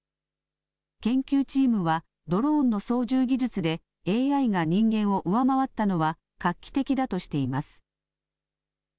研究チームはドローンの操縦技術でＡＩが人間を上回ったのは画期的だとしています。